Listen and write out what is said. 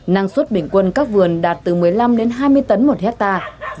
năng suất bình quân các vườn đạt từ một mươi năm đến hai mươi tấn một hectare